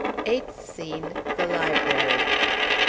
EIGHTH SCENE. The Library.